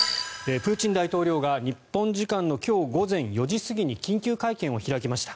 プーチン大統領が日本時間の今日午前４時過ぎに緊急会見を開きました。